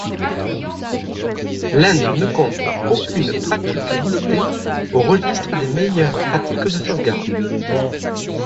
L'Inde ne compte aucune pratique listée au registre des meilleures pratiques de sauvegarde.